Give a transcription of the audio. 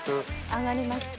揚がりました。